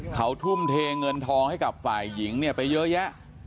เขาทุ่มที่เงินทองให้กับสายหญิงไปเยอะแยะ